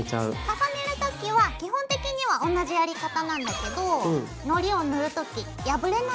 重ねる時は基本的には同じやり方なんだけどＯＫ！